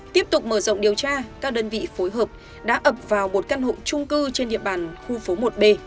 tiếp tục mở rộng điều tra các đơn vị phối hợp đã ập vào một căn hộ trung cư trên địa bàn khu phố một b